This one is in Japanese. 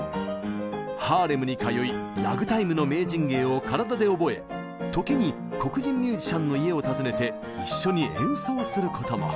ハーレムに通いラグタイムの名人芸を体で覚え時に黒人ミュージシャンの家を訪ねて一緒に演奏することも。